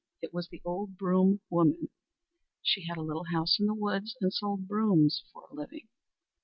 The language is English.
It was the old broom woman. She had a little house in the woods and sold brooms for a living.